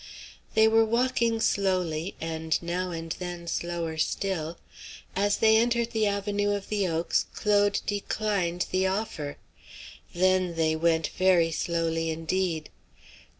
They were walking slowly, and now and then slower still. As they entered the avenue of oaks, Claude declined the offer. Then they went very slowly indeed.